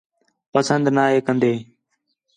پسند نا ہے کندے